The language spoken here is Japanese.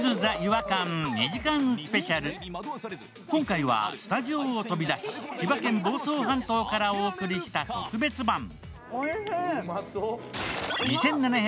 今回はスタジオを飛び出し、千葉県房総半島からお送りした特別版。